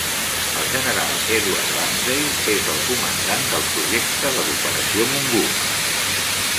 El General Edward Lansdale és el comandant del projecte de l'Operació Mongoose.